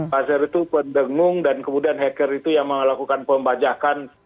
buzzer itu pendengung dan kemudian hacker itu yang melakukan pembajakan